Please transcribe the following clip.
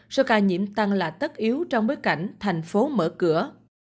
số ca nhiễm tăng là tất yếu trong bối cảnh thành phố mở cửa